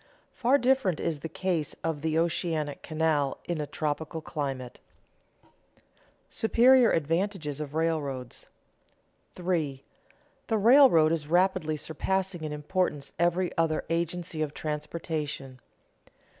Far different is the case of the oceanic canal in a tropical climate. [Sidenote: Superior advantages of railroads] 3. _The railroad is rapidly surpassing in importance every other agency of transportation.